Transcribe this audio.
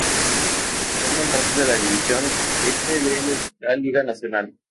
Forman parte de la División Este de la Liga Nacional.